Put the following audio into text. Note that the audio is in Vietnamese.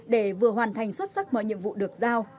để vừa hoàn thành xuất sắc mọi nhiệm vụ được giao